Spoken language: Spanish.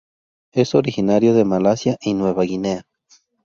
Es originario de Malasia y Nueva Guinea.